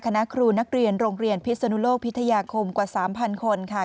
คณะครูนักเรียนโรงเรียนพิศนุโลกพิทยาคมกว่า๓๐๐คนค่ะ